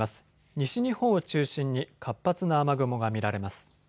西日本を中心に活発な雨雲が見られます。